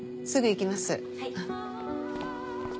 すぐ行きます。